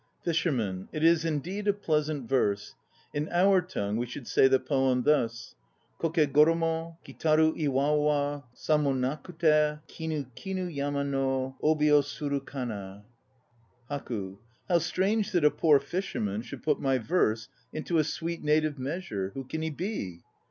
FISHERMAN. It is indeed a pleasant verse. In our tongue we should say the poem thus: Koke goromo Kitaru iwao ma Samonakute, Kinu kinu yama no Obi wo sum kana! HAKU. How strange that a poor fisherman should put my verse into a sweet native measure! Who can he be?